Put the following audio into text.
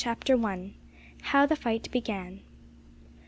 CHAPTER ONE. HOW THE FIGHT BEGAN.